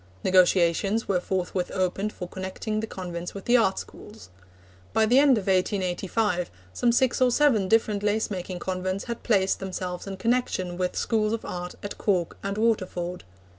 Negotiations were forthwith opened for connecting the convents with the art schools. By the end of 1885 some six or seven different lace making convents had placed themselves in connection with Schools of Art at Cork and Waterford.